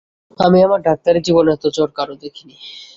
আমি আমার ডাক্তারি জীবনে এত জ্বর কারো দেখি নি।